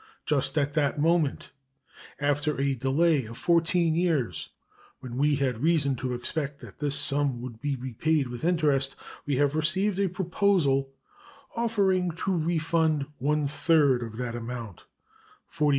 Just at the moment, after a delay of fourteen years, when we had reason to expect that this sum would be repaid with interest, we have received a proposal offering to refund one third of that amount ($42,878.